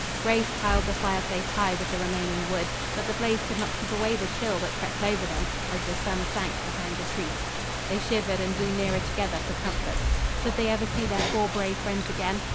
Grace piled the fireplace high with the remaining wood, but the blaze could not keep away the chill that crept over them as the sun sank behind the trees. They shivered and drew nearer together for comfort. Should they ever see their four brave friends again?